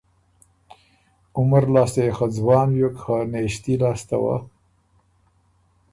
عمر لاسته يې خه مېن ځوان بیوک خه نېݭتي لاسته وه